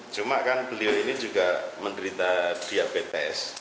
cuma kan beliau ini juga menderita diabetes